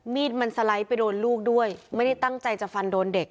มีดมันสไลด์ไปโดนลูกด้วยไม่ได้ตั้งใจจะฟันโดนเด็ก